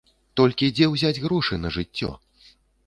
Толькі дзе ўзяць грошы на жыццё?